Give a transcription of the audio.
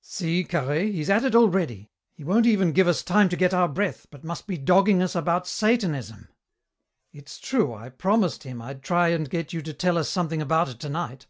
"See, Carhaix, he's at it already. He won't even give us time to get our breath, but must be dogging us about Satanism. It's true I promised him I'd try and get you to tell us something about it tonight.